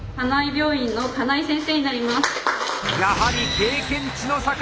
やはり経験値の差か！